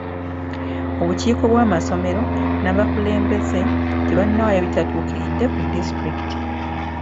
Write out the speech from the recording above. Obukiiko bw'amasomero n'abakulembeze tebannawaayo bitatuukiridde ku disitulikiti.